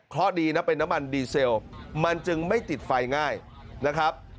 เพราะดีนะเป็นน้ำมันดีเซลมันจึงไม่ติดไฟง่ายนะครับ